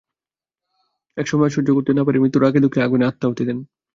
একসময় আর সহ্য করতে না পেরে মিতু রাগে দুঃখে আগুনে আত্মাহুতি দেন।